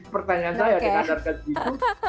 pertanyaan saya dikandalkan ke jikus